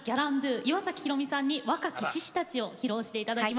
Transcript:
岩崎宏美さんに「若き獅子たち」を披露していただきます。